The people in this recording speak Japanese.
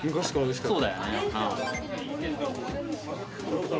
そうだよね。